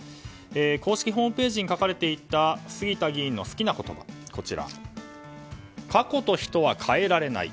公式ホームページに書かれていた杉田議員の好きな言葉過去と人は変えられない。